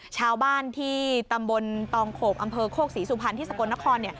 ชาวบ้านที่ตำบลตองโขกอำเภอโคกศรีสุพรรณที่สกลนคร